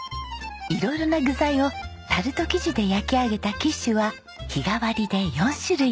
色々な具材をタルト生地で焼き上げたキッシュは日替わりで４種類。